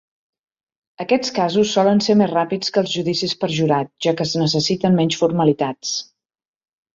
Aquests casos solen ser més ràpids que els judicis per jurat, ja que es necessiten menys formalitats.